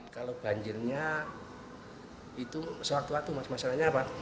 kalau banjirnya itu sewaktu waktu masalahnya apa